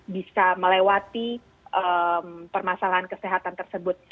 bisa melewati permasalahan kesehatan tersebut